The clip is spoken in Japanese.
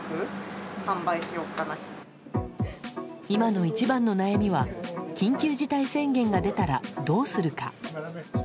今の一番の悩みは緊急事態宣言が出たらどうするか。